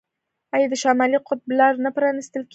آیا د شمالي قطب لارې نه پرانیستل کیږي؟